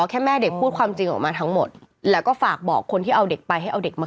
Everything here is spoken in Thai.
แค่แม่เด็กพูดความจริงออกมาทั้งหมดแล้วก็ฝากบอกคนที่เอาเด็กไปให้เอาเด็กมา